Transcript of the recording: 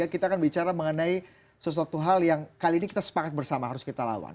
kita akan bicara mengenai sesuatu hal yang kali ini kita sepakat bersama harus kita lawan